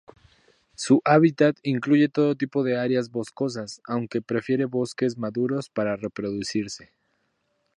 Su hábitat incluye todo tipo de áreas boscosas, aunque prefiere bosques maduros para reproducirse.